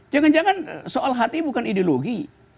jangan jangan soal hati bukan ideologi